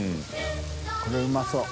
これうまそう。